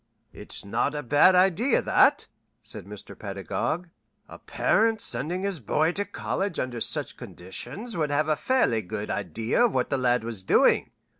"It's not a bad idea, that," said Mr. Pedagog. "A parent sending his boy to college under such conditions would have a fairly good idea of what the lad was doing.